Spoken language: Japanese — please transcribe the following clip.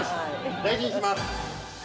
大事にします！